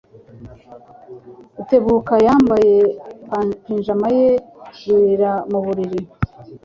Rutebuka yambaye pajama ye yurira mu buriri.